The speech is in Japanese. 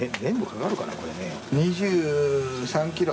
２３キロ。